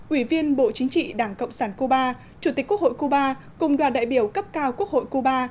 ủy viên bộ chính trị đảng cộng sản cuba chủ tịch quốc hội cuba cùng đoàn đại biểu cấp cao quốc hội cuba